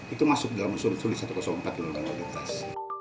itu masuk dalam unsur unsur di satu ratus empat di lalu lintas